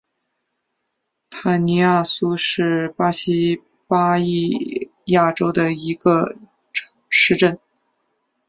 塔尼亚苏是巴西巴伊亚州的一个市镇。